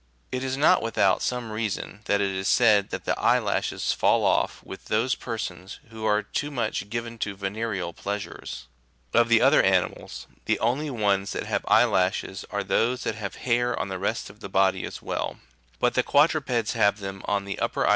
It is not without some reason that it is said that the eye lashes8 fall off with those persons who are too much given to venereal pleasures. Of the other animals, the only ones that have eyelashes are those that have hair on the rest of the body as well ; but the quadrupeds have them on the upper 3 B.